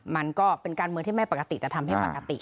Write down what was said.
มันก็เป็นการเมืองที่ไม่ปกติจะทำให้ปกติ